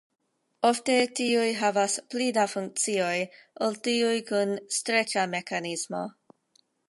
Ofte tiuj havas pli da funkcioj ol tiuj kun streĉa mekanismo.